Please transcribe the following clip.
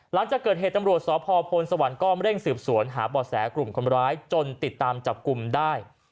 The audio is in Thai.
หลังจากเกิดเหตุตำรวจสพพลสวรรค์ก็เร่งสืบสวนหาบ่อแสกลุ่มคนร้ายจนติดตามจับกลุ่มได้